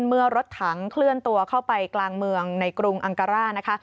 เมื่อรถถังเคลื่อนตัวเข้าไปกลางเมืองในกรุงอังการ่านะคะ